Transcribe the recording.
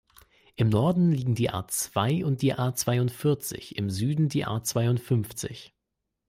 Im Norden liegen die A-zwei und die A-zweiundvierzig, im Süden die A-zweiundfünfzig.